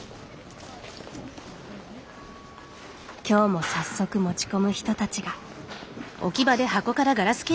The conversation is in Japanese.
今日も早速持ち込む人たちが。